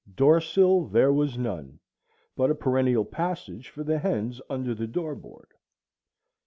Door sill there was none, but a perennial passage for the hens under the door board.